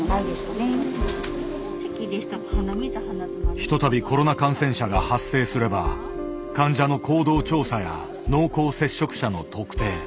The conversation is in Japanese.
ひとたびコロナ感染者が発生すれば患者の行動調査や濃厚接触者の特定